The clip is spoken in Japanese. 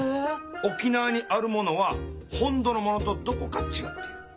沖縄にあるものは本土のものとどこか違っている。